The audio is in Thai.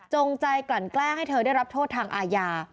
ใจกลั่นแกล้งให้เธอได้รับโทษทางอาญา